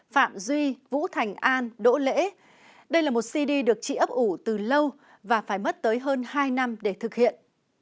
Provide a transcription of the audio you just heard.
phạm duy vũ thành an đỗ lễ đây là một cd được trị ấp ủ từ lâu và phải mất tới hơn hai năm để thực hiện